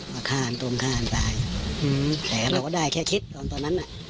ว่าฆ่าอันตรงฆ่าอันตายแต่เราก็ได้แค่คิดตอนนั้นน่ะ